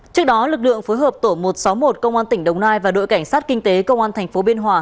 trước đó lực lượng phối hợp tổ một trăm sáu mươi một công an tỉnh đồng nai và đội cảnh sát kinh tế công an tp biên hòa